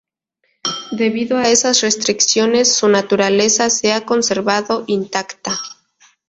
Debido a esas restricciones, su naturaleza se ha conservado intacta.